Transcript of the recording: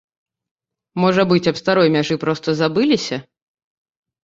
Можа быць, аб старой мяжы проста забыліся?